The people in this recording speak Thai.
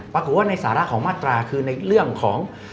ปรากฏว่าในสาระของมาตราคือในเรื่องของ